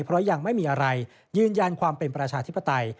เพราะยังไม่มีอะไรยืนยันความเป็นประชาธิปไตย